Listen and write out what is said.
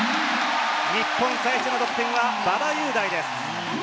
日本、最初の得点は馬場雄大です。